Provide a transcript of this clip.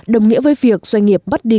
đồng nghĩa với việc doanh nghiệp bắt đi